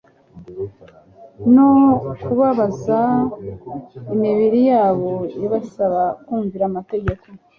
no kubabaza imibiri yabo. Ibasaba kumvira amategeko